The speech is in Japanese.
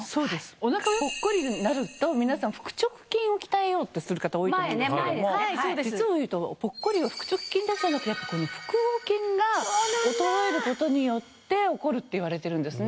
おなかがぽっこりになると皆さん腹直筋を鍛えようってする方多いと思うんですけども実を言うとぽっこりは腹直筋だけじゃなくてやっぱこの腹横筋が衰えることによって起こるっていわれてるんですね。